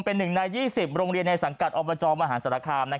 เป็นหนึ่งใน๒๐โรงเรียนในสังกัดออกประจอมอาหารสารคาม